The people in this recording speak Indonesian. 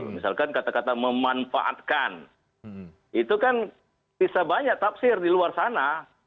misalkan kata kata memanfaatkan itu kan bisa banyak tafsir di luar sana